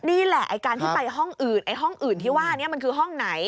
นี่แหละไอ้การที่ไปห้องอื่นไอ้ห้องอื่นที่ว่านี้มันคือห้องไหน